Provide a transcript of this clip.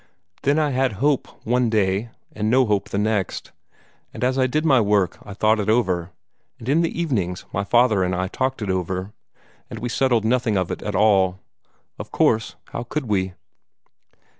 Then I had hope one day, and no hope the next, and as I did my work I thought it over, and in the evenings my father and I talked it over, and we settled nothing of it at all. Of course, how could we?"